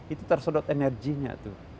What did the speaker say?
itu tersedot energinya tuh